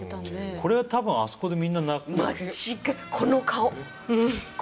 これ多分あそこでみんな泣くよね？